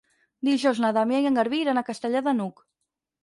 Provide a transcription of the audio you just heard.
Dijous na Damià i en Garbí iran a Castellar de n'Hug.